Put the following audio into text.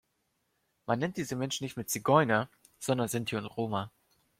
Man nennt diese Menschen nicht mehr Zigeuner, sondern Sinti und Roma.